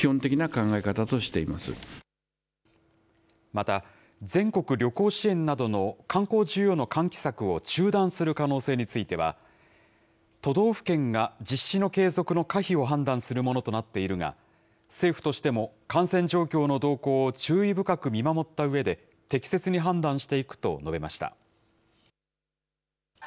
また、全国旅行支援などの観光需要の喚起策を中断する可能性については、都道府県が実施の継続の可否を判断するものとなっているが、政府としても、感染状況の動向を注意深く見守ったうえで、適切に判断していくと述べました。